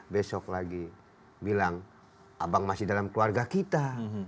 besok lagi bilang abang masih dalam keluarga kita